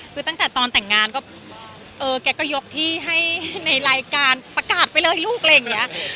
คือตั้งแต่ตอนแต่งงานก็เออแกก็ยกที่ให้ในรายการประกาศไปเลยลูกอะไรอย่างนี้